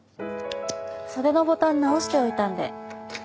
袖のボタン直しておいたんで。